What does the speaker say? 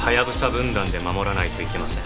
分団で守らないといけません。